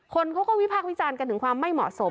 คนเขาก็วิพากษ์วิจารณ์กันถึงความไม่เหมาะสม